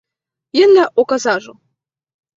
Jen la okazaĵo.